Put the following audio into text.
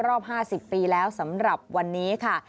รอบ๕๐ปีแล้วสำหรับวันนี้ค่ะ